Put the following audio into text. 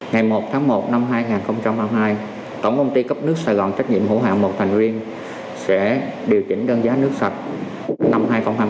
ngày một tháng một năm hai nghìn hai mươi hai tổng công ty cấp nước sài gòn trách nhiệm hữu hạm một thành viên sẽ điều chỉnh đơn giá nước sạch năm hai nghìn hai mươi bốn